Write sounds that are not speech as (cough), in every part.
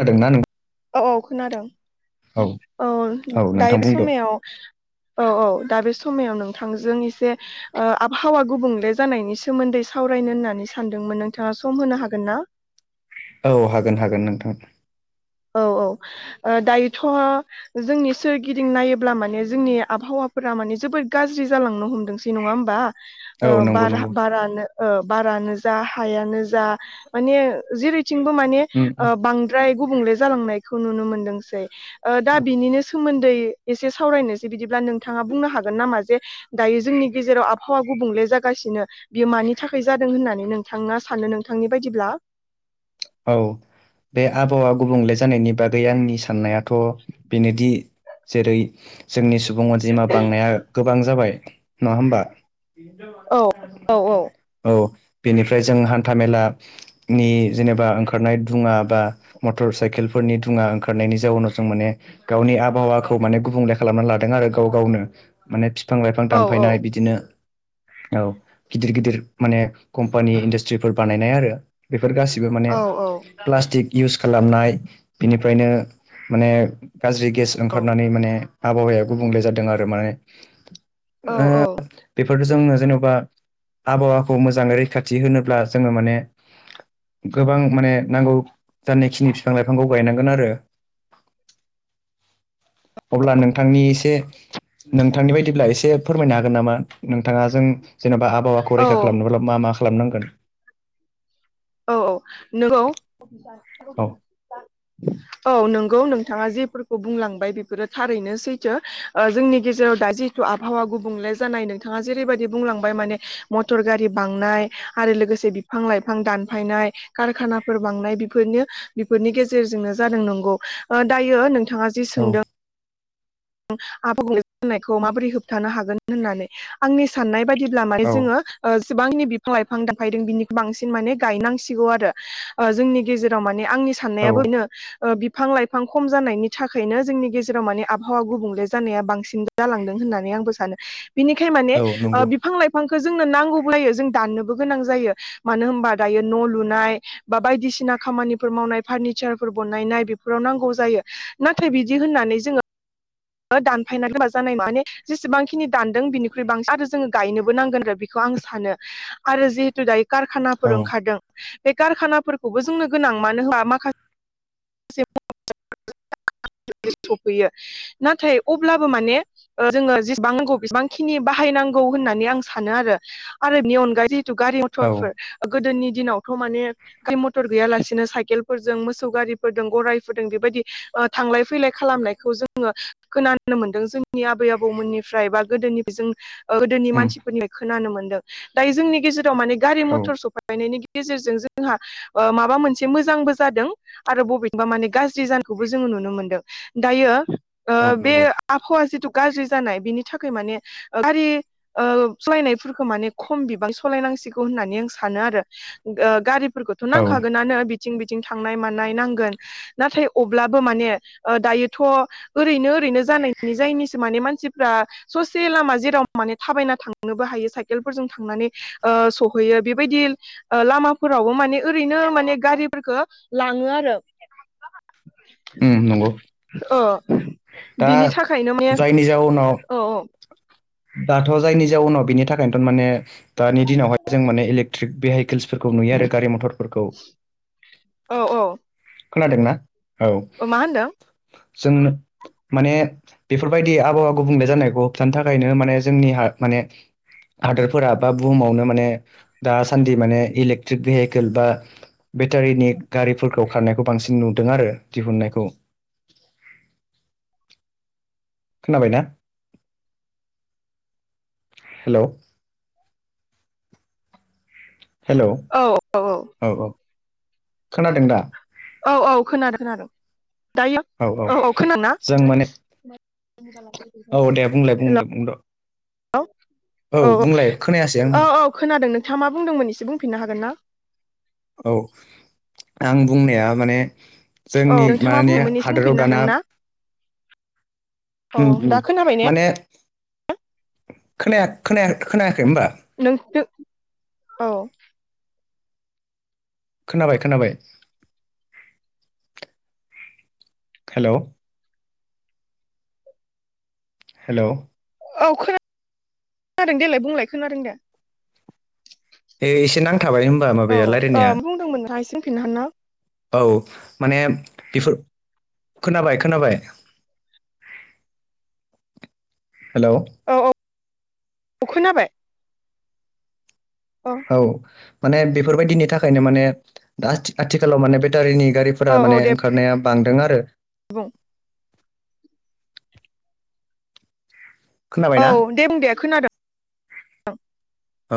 खोनादों ना नों औ औ खोनादों औ औ नोंथां दायो बे बुंद' समायाव औ औ दा बे समायाव नोंथांजों एसे ओ आबहावा गुबुंले जानायनि सोमोन्दै सावरायनो होननानै सानदोंमोन नोंथाङा सम होनो हागोन ना? औ हागोन हागोन नोंथां। औ औ ओ दायोथ' जोंनि सोरगिदिं नायोब्ला माने जोंनि आबहावाफोरा माने जोबोद गाज्रि जालांनो हमदोंसै नङा होमबा? ओ औ नंगौ बारा नंगौ बारानो ओ बारानो जा हायानो जा माने जेरैथिंबो माने उम उम ओ बां द्राय गुबुंले जालांनायखौ नुनो मोनदोंसै दा बिनिनो सोमोन्दै एसे सावरायनोसै बिदिब्ला नोंथाङा बुंनो हागोन नामा जे दायो जोंनि गेजेराव आबहावा गुबुंले जागासिनो। बियो मानि थाखाय जादों होननानै नोंथाङा सानो नोंथांनि बायदिब्ला? औ बे आबहावा गुबुंले जानायनि बागै आंनि साननायाथ' बेनोदि जेरै जोंनि सुबुं अनजिमा बांनाया गोबां जाबाय नङा होमबा? औ औ औ बेनिफ्राय जों हान्था मेलानि जेनेबा ओंखारनाय दुङा बा मटर साइकेलफोरनि दुङा ओंखारनायनि जाउनाव जों माने गावनि आबहावाखौ माने गुबुंले खालामनानै लादों आरो गाव गावनो। माने फिफां लाइफां औ औ दानफायनाय बिदिनो। औ गिदिर गिदिर माने कम्पानि इन्डास्ट्रिफोर बानायनाय आरो बेफोर गासैबो माने औ औ प्लास्टिक इउस खालामनाय बिनिफ्रायनो माने गाज्रि गेस औ ओंखारनानै माने आबहावाया गुबुंले जादों आरो माने। औ ओ बेफोर जोङो जेनबा आबहावाखौ मोजाङै रैखाथि होनोब्ला जोङो माने गोबां माने नांगौ जानायखिनि फिफां लाइफांखौ गायनांगोन आरो। अब्ला नोंथांनि एसे नोंथांनि बायदिब्ला एसे फोरमायनो हागोन नामा नोंथाङा जों जेनेबा आब हावाखौ औ औ रैखा खालामनोब्ला मा मा खालामनांगोन? औ औ नंगौ (inaudible) औ नंगौ नोंथाङा जेफोरखौ बुंलांबाय बेफोरो थारैनो सैथो। जोंनि गेजेराव दा जि आबहावा गुबुंले जानाय नोंथाङा जेरैबायदि बुंलांबाय माने मटर गारि बांनाय आरो लोगोसे बिफां लाइफां दान फायनाय कारखानाफोर बांनाय बेफोरनो बेफोरनि गेजेरजोंनो जादों नंगौ दायो नोंथाङा जि सोंदों आबहावा गुबुंले जानायखौ माबोरै होबथानो हागोन होननानै, आंनि साननाय बायदिब्ला माने औ जोङो जेसेबांनि बिफां लाइफां दानफायदों बिनिखौ बांसिन माने गायनांसिगौ आरो जोंनि गेजेराव माने आंनि औ साननायाबो बेनो बिफां लाइफां खम जानायनि थाखायनो जोंनि गेजेराव माने आब हावा गुबुंले जानाया बांसिन जालांदों होननानै आंबो सानो बिनिखायनो माने औ नंगौ बिफां लाइफां बिफांखौ जोंनो नांगौबो जायो जों दाननोबो गोनां जायो मानो होनबा दायो न' लुनाय बा बायदिसिना खामानिफोर मावनाय फार्निचारफोर बानायनाय बेफोराव नांगौ जायो नाथाय बिदि होननानै जोङो दानफायनानै दोनबा जानाय माने जेसेबांखिनि दानदों बिनिख्रुइ बांसिन आरो जोङो गायनोबो नांगोन आरो बेखौ आं सानो। आरो जिहेतु दायो कारखानाफोर औ ओंखारदों बे कारखानाफोरखौबो जोंनो गोनां मानो होनबा माखा (unintelligible) सफैयो नाथाय अब्लाबो माने ओ जोङो जेसेबां नांगौ बेसेबांखिनि बाहायनांगौ होननानै आं सानो आरो आरो बेनि अनगायै थ गारि औ मथरफोर गोदोनि दिनावथ' माने खै मथर गैयालासिनो साइकेलफोरजों मोसौ गारि फोरजों गरायफोरजों बेबायदि ओ थांलाय फैलाय खालामनायखौ जोङो खोनानो मोन्दों जोंनि आबै आबौमोननिफ्राय बा गोदोनिफ्राय जों गोदोनि उम मानसिफोरनिफ्राय खोनानो मोनदों दायो जोंनि गेजेराव माने गारि औ मटर सफै नायनि गेजेरजों जोंहा ओ माबा मोनसे मोजांबो जादों। आरो बबेनिबा माने गाज्रि जानायखौबो जोङो नुनो मोनदों दायो ओ औ बे नंगौ आबहावा जिथु गाज्रि जानाय बिनि थाखाय माने गारि ओ सालायनायफोरखौ माने खम बिबां सालायनांसिगौ होननानै आं सानो आरो। ओ गारिफोरखौथ' औ उम नांखागोनानो बिथिं बिथिं थांनाय मानाय नांगोन। नाथाय अब्लाबो माने ओ दायोथ' ओरैनो ओरैनो जानायनि जायनिसो माने मानसिफ्रा ससे लामा जेराव माने थाबायना थांनोबो हायो साइकेलफोरजों थांनानै ओ सहैयो बेबायदि ओ लामाफोरावबो माने ओरैनो माने गारिफोरखौ लाङो आरो। उम नंगौ ओ दा बिनि थाखायनो माने जायनि जाउनाव औ औ दाथ' जायनि जाउनाव बिनि थाखायनोथ' माने दानि दिनावहाय जों माने इलेक्ट्रिक भेहिकेल्सफोरखौ नुयो आरो गारि मथरफोरखौ। औ औ खोनादोंना? औ अ' मा होनदों? जों माने बेफोरबायदि आबहावा गुबुंले जानायखौ होबथानो था थाखायनो माने जोंनि हा माने हादोरफोरा बा बुहुमावनो माने दासान्दि माने इलेक ट्रिक भेहिकेल बा बेटारिनि गारिफोरखौ खारनायखौ बांसिन नुदों आरो दिहुननायखौ। खोनाबायना? हेल' हेल' औ औ औ औ खोनादों दा? औ औ खोनादों खोनादों दायो औ औ जों माने औ दे बुंलाय हेल' बुंदो बुंद'। औ औ बुंलाय खोनायासै औ आङो। औ खोनादों नोंथाङा मा बुंदोंमोन एसे बुंफिननो हागोन ना? औ आं बुंनाया माने औ जोंनि नोंथाङा माने बुंनायमोन एसे हादोराव बुंफिननो हागोन दाना ना औ उम उम दा खोनाबाय ने माने खोना-खोना-खोनायाखै होनबा? नोंसो औ खोनाबाय खोनाबाय। हेल' हेल' औ खोना खोनादों देलाय बुंलाय खोनादों दे। ए एसे नांथाबाय होमबा औ माबाया ओ राय्लायनाया। बुंदोंमोन नोंथाङा एसे बुंफिननो हागोन ना औ माने बेफोर खोनाबाय खोनाबाय। हेल' औ औ अ खोनाबाय अ औ माने बेफोरबायदिनि थाखायनो माने दा आथिखालाव माने बेटारिनि औ गारिफोरा औ माने दे ओंखारनाया बांदों आरो। बुं औ खोनाबायना दे बुं दे खोनादों।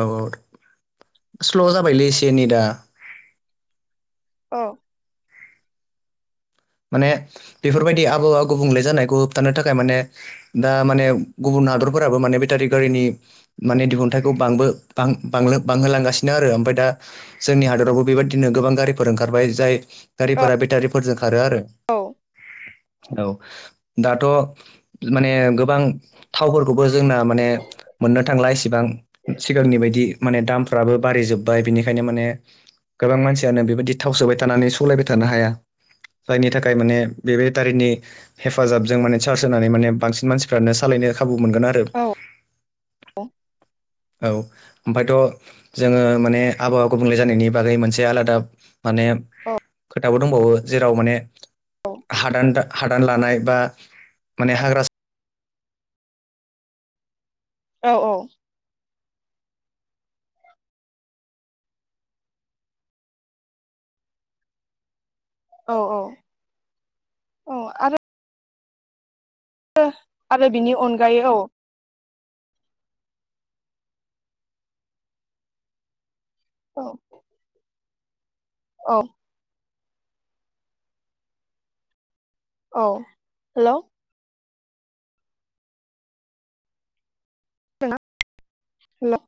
औ औ स्ल' जाबायलै एसे नेदा। अ माने बेफोरबायदि आबहावा गुबुंले जानायखौ होबथानो थाखाय माने दा माने गुबुन हादरफोराबो माने बेटारि गारिनि माने दिहुनथाइखौ बांबो बा बां बांहोलांगासिनो आरो ओमफ्राय दा जोंनि हादरावबो बेबायदिनो गोबां गारिफोर ओंखारबाय जाय औ गारिफोरा बेटारिफोरजों खारो आरो। औ औ दाथ' माने गोबां थावफोर खौबो जोंना माने मोननो थांला इसिबां सिगांनि बायदि माने दामफ्राबो बारै जोब्बाय बिनिखायनो माने गोबां मानसियानो बेबायदि थाव सोबाय थानानै सलायबाय थानो हाया जायनि थाखाय माने बे बेटारिनि हेफाजाबजों माने चार्ज होनानै माने बांसिन मानसिफ्रानो सालायनो खाबु मोनगोन आरो औ औ ओमफायथ' जोङो माने आबहावा गुबुंले जानायनि बागै मोनसे आलादा माने औ खोथाबो दंबावो जेराव माने हादान हादान लानाय बा माने हाग्रा औ औ औ औ। औ आरो आरो बिनि अनगायै औ। औ औ औ हेल' हेल'